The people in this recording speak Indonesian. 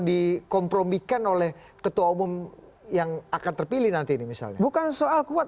dikompromikan oleh ketua umum yang akan terpilih nanti misalnya bukan soal kuat atau tidak kuat